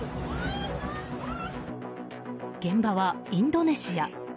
現場はインドネシア。